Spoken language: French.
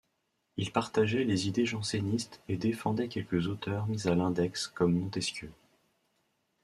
Il partageait les idées jansénistes et défendait quelques auteurs mis à l'Index comme Montesquieu.